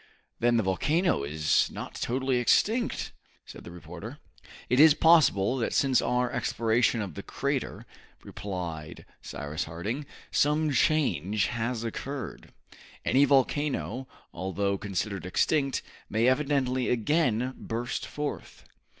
"Then the volcano is not totally extinct?" said the reporter. "It is possible that since our exploration of the crater," replied Cyrus Harding, "some change has occurred. Any volcano, although considered extinct, may evidently again burst forth."